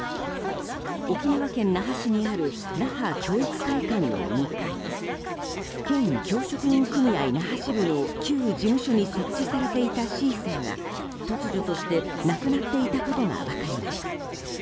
沖縄県那覇市にある那覇教育会館の２階県教職員組合那覇支部の旧事務所に設置されていたシーサーが突如としてなくなっていたことが分かりました。